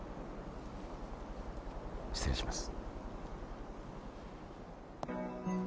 失礼します。